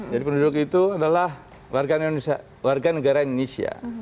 jadi penduduk itu adalah warga negara indonesia